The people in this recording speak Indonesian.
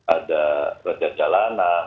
ada raja jalanan